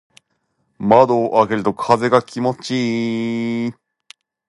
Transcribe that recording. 窓を開けると風が気持ちいい。